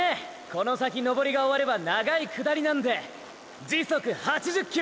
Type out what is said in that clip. この先登りが終われば長い下りなんでーー時速８０キロで！！